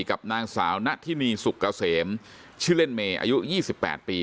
กับนางสาวณทินีสุกเกษมชื่อเล่นเมย์อายุ๒๘ปี